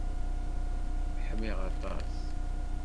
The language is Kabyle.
Ḥmiɣ aṭas.